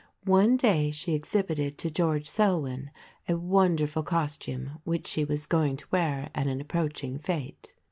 One day she exhibited to George Selwyn a wonderful costume which she was going to wear at an approaching fête.